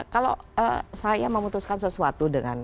kalau saya memutuskan sesuatu